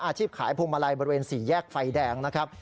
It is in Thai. อาชีพขายพวงมาลัยบริเวณสี่แยกไฟแดงนะครับ